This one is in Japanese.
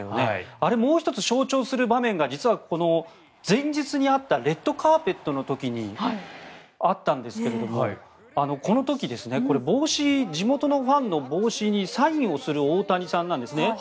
あれ、もう１つ象徴する場面がここの前日にあったレッドカーペットの時にあったんですけどもこの時、これ地元のファンの帽子にサインをする大谷さんなんです。